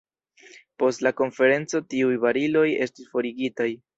Post la konferenco tiuj bariloj estis forigitaj.